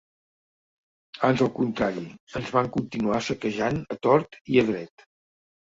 Ans al contrari, ens van continuar saquejant a tort i a dret.